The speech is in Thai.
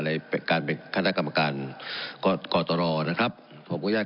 ในในการเป็นคันักกำการกอตรอนะครับผมพูดแยก